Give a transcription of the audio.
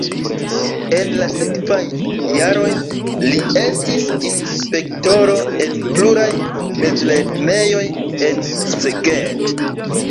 En la sekvaj jaroj li estis inspektoro en pluraj mezlernejoj en Szeged.